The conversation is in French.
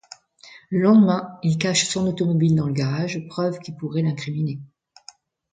Le lendemain, il cache son automobile dans le garage, preuve qui pourrait l'incriminer.